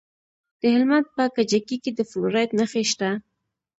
د هلمند په کجکي کې د فلورایټ نښې شته.